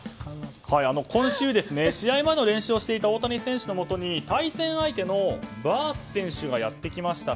今週、試合前の練習をしていた大谷選手のもとに対戦相手のバース選手がやってきました。